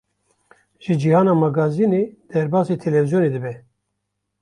Ji cîhana magazînê derbasê televîzyonê dibe.